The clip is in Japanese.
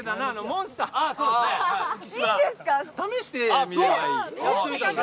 試してみればいい。